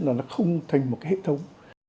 nó không thành một hệ thống